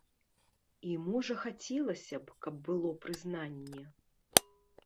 І можа хацелася б, каб было прызнанне.